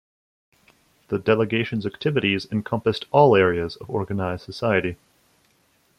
The Delegation's activities encompassed all areas of organized society.